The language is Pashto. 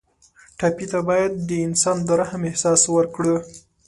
ټپي ته باید د انسان د رحم احساس ورکړو.